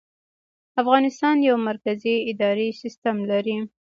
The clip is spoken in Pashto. افغانستان یو مرکزي اداري سیستم لري